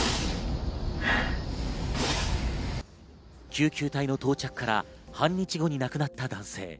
救急隊の到着から半日後に亡くなった男性。